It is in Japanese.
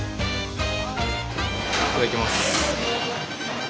いただきます。